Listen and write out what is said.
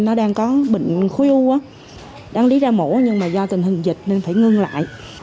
nó đang có bệnh khối u đáng lý ra mổ nhưng mà do tình hình dịch nên phải ngưng lại